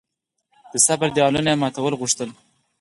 د صبر دېوالونه یې ماتول غوښتل.